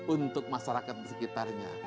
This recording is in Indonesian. untuk masyarakat di sekitarnya